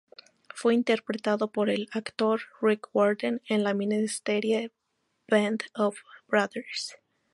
Fue interpretado por el actor Rick Warden en la miniserie Band of Brothers.